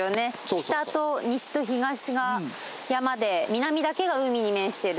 北と西と東が山で南だけが海に面してる。